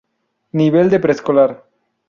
Nivel de preescolar.